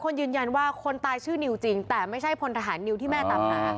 ยืนยันว่าคนตายชื่อนิวจริงแต่ไม่ใช่พลทหารนิวที่แม่ตามหา